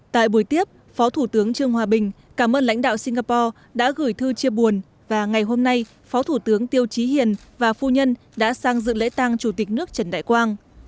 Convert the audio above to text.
tại buổi tiếp phó thủ tướng trương hòa bình cảm ơn lãnh đạo singapore đã gửi thư chia buồn và ngày hôm nay phó thủ tướng tiêu trí hiền và phu nhân đã sang dự lễ tang chủ tịch nước trần đại quang